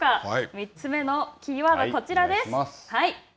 ３つ目のキーワード、こちらです。